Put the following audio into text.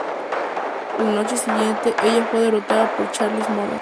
La noche siguiente ella fue derrotada por Charlie Morgan.